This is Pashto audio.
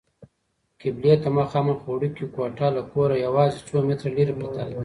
قبلې ته مخامخ وړوکې کوټه له کوره یوازې څو متره لیرې پرته ده.